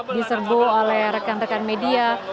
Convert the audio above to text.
diserbu oleh rekan rekan media